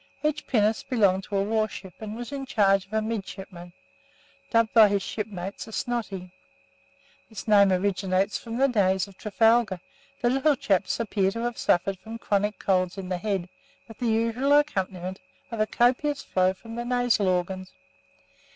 Each pinnace belonged to a warship and was in charge of a midshipman dubbed by his shipmates a "snotty." This name originates from the days of Trafalgar. The little chaps appear to have suffered from chronic colds in the head, with the usual accompaniment of a copious flow from the nasal organs.